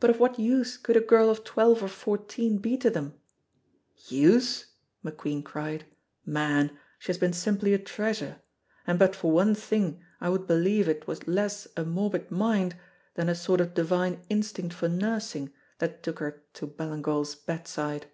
"But of what use could a girl of twelve or fourteen be to them?" "Use!" McQueen cried. "Man, she has been simply a treasure, and but for one thing I would believe it was less a morbid mind than a sort of divine instinct for nursing that took her to Ballingall's bedside.